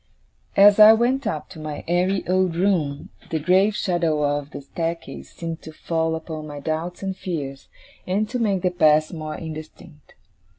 As I went up to my airy old room, the grave shadow of the staircase seemed to fall upon my doubts and fears, and to make the past more indistinct.